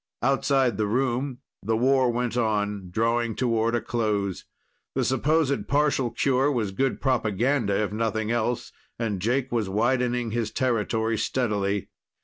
Outside the room, the war went on, drawing toward a close. The supposed partial cure was good propaganda, if nothing else, and Jake was widening his territory steadily.